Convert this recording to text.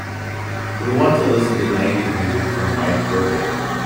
We want to listen to nineties music from mike burkett.